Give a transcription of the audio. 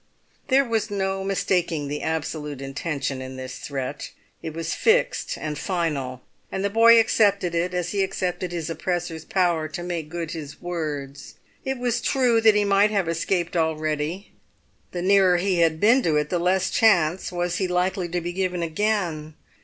There was no mistaking the absolute intention in this threat; it was fixed and final, and the boy accepted it as he accepted his oppressor's power to make good his words. It was true that he might have escaped already; the nearer he had been to it, the less chance was he likely to be given again.